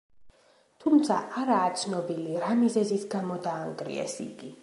თუმცა არაა ცნობილი რა მიზეზის გამო დაანგრიეს იგი.